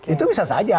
itu bisa saja